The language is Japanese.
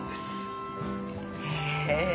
へえ。